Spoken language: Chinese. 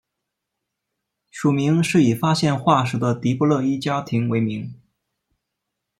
属名是以发现化石的迪布勒伊家庭为名。